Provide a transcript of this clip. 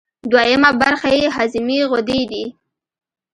دویمه برخه یې هضمي غدې دي.